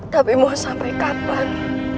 tapi mau sampai kapan